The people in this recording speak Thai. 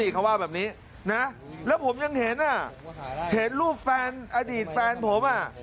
เขาว่าแบบนี้นะแล้วผมยังเห็นอ่ะเห็นรูปแฟนอดีตแฟนผมอ่ะ